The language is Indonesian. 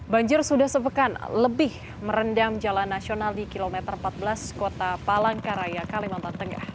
banjir sudah sepekan lebih merendam jalan nasional di kilometer empat belas kota palangkaraya kalimantan tengah